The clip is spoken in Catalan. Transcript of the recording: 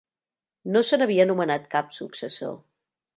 No se n'havia nomenat cap successor.